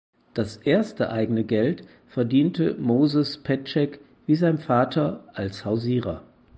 Das erste eigene Geld verdiente Moses Petschek wie sein Vater als Hausierer.